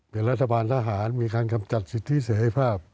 เปลี่ยนรัฐบาลทหารมีการกำจัดสินที่เสียให้แฟพ